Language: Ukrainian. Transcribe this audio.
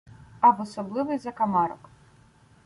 А в особливий закамарок